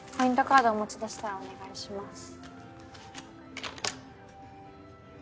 カードお持ちでしたらお願いします。